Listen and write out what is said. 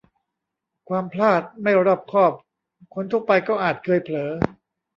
ความพลาด-ไม่รอบคอบ คนทั่วไปก็อาจเคยเผลอ